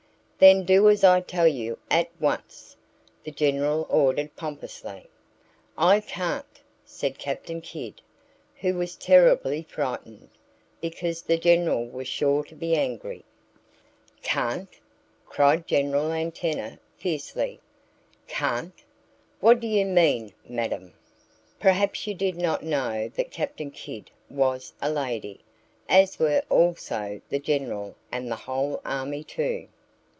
"Then do as I tell you, at once!" the General ordered pompously. "I can't!" said Captain Kidd, who was terribly frightened, because the General was sure to be angry. "Can't!" cried General Antenna fiercely. "Can't! What do you mean, madam?" (Perhaps you did not know that Captain Kidd was a lady, as were also the General and the whole army, too!)